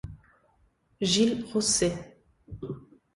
Gilles Rousset